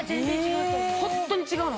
ホントに違うの！